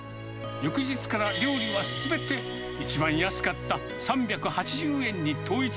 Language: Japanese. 翌日から料理はすべて、一番安かった３８０円に統一。